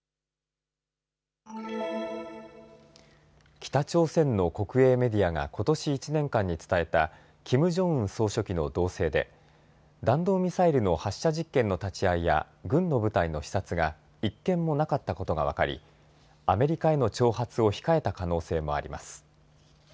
北朝鮮の国営メディアがことし１年間に伝えたキム・ジョンウン総書記の動静で弾道ミサイルの発射実験の立ち会いや軍の部隊の視察が１件もなかったことが分かりアメリカへの挑発を控えた可能性もあります。